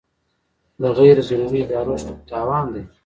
د غیر ضروري ادارو شتون تاوان دی.